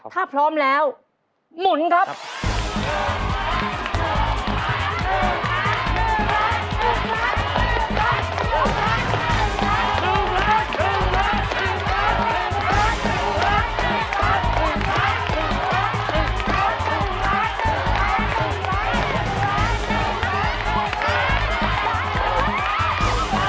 ถ้าพร้อมแล้วหมุนครับ